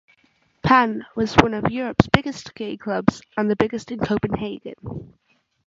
Pan was one of Europe's biggest gay clubs and the biggest in Copenhagen.